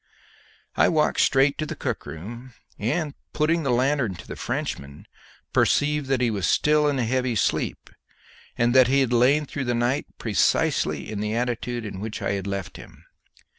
I walked straight to the cook room, and, putting the lanthorn to the Frenchman, perceived that he was still in a heavy sleep, and that he had lain through the night precisely in the attitude in which I had left him.